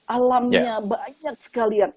alamnya banyak sekali yang